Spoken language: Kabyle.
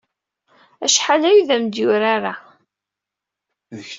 Acḥal aya ur am-d-yuri ara.